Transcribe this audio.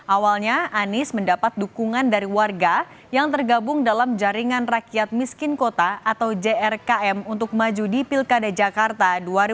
awalnya anies mendapat dukungan dari warga yang tergabung dalam jaringan rakyat miskin kota atau jrkm untuk maju di pilkada jakarta dua ribu delapan belas